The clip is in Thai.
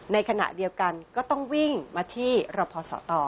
ในขณะเดียวกันก็ต้องวิ่งมาที่รพศต